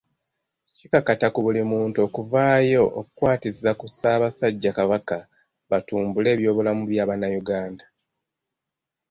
Kikakata ku buli muntu okuvaayo okukwatiza ku Ssaabasajja Kabaka batumbule ebyobulamu bya Bannayuganda.